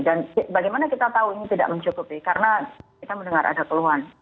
dan bagaimana kita tahu ini tidak mencukupi karena kita mendengar ada keluhan